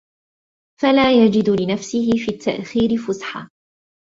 فَلَا يَجِدُ لِنَفْسِهِ فِي التَّأْخِيرِ فُسْحَةً